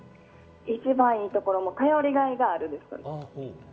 一番いいところ頼りがいがあるんですよ。